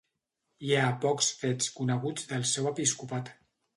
Hi ha pocs fets coneguts del seu episcopat.